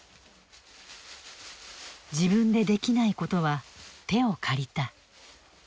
自分でできないことは手を借りた。